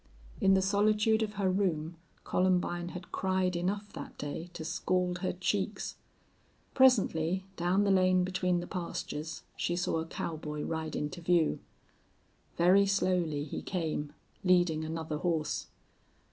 In the solitude of her room Columbine had cried enough that day to scald her cheeks. Presently, down the lane between the pastures, she saw a cowboy ride into view. Very slowly he came, leading another horse.